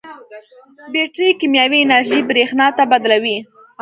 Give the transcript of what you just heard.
بیټرۍ کیمیاوي انرژي برېښنا ته بدلوي.